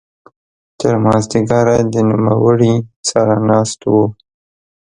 تر ماذیګره د نوموړي سره ناست وو.